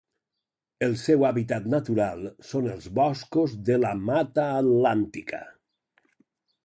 El seu hàbitat natural són els boscos de la Mata Atlàntica.